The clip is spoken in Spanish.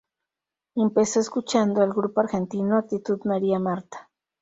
Empezó escuchando al grupo argentino Actitud María Marta.